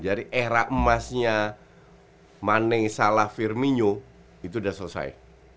jadi era emasnya mané salah firmino itu udah selesai